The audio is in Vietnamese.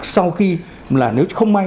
sau khi là nếu không may